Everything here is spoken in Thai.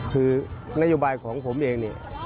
คือนโยบายของผมเอง